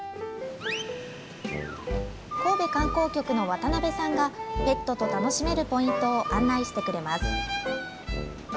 神戸観光局の渡辺さんが、ペットと楽しめるポイントを案内してくれます。